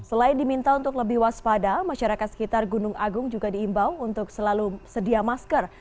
selain diminta untuk lebih waspada masyarakat sekitar gunung agung juga diimbau untuk selalu sedia masker